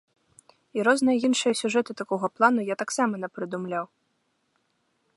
І розныя іншыя сюжэты такога плану я таксама напрыдумляў.